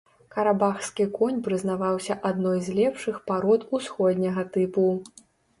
Карабахскі конь прызнаваўся адной з лепшых парод усходняга тыпу.